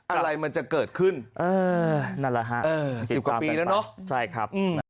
อะไรมันจะเกิดขึ้นนั่นแหละฮะสิบกว่าปีแล้วเนอะใช่ครับ